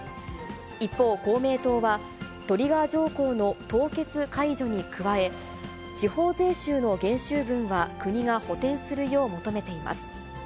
一方、公明党はトリガー条項の凍結解除に加え、地方税収の減収分は国が補填するよう求めています。